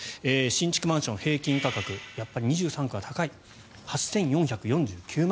新築マンション平均価格やっぱり２３区は高い８４４９万円。